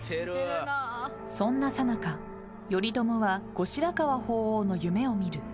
［そんなさなか頼朝は後白河法皇の夢を見る］